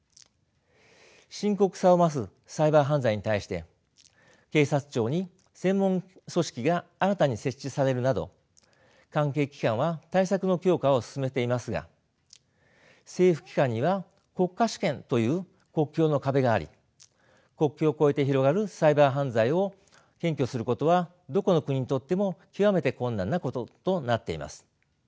深刻さを増すサイバー犯罪に対して警察庁に専門組織が新たに設置されるなど関係機関は対策の強化を進めていますが政府機関には国家主権という国境の壁があり国境を越えて広がるサイバー犯罪を検挙することはどこの国にとっても極めて困難なこととなっています。